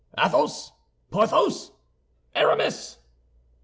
"Athos! Porthos! Aramis!"